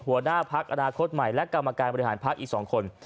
หัวหน้าพักอนาคตใหม่และกรรมการบริหารพักอีก๒คน